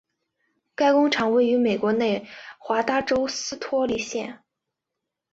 该工厂位于美国内华达州斯托里县。